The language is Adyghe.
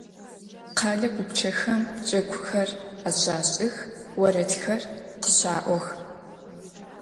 Къэлэ гупчэхэм джэгухэр ащашӏых, орэдхэр къыщаӏох.